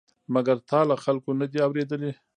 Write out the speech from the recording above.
مګر تا له خلکو نه دي اورېدلي؟